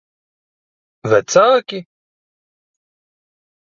Vecāki?